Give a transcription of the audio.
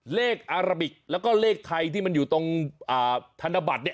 เลขอาราบิกแล้วก็เลขไทยที่มันอยู่ตรงธนบัตรเนี่ย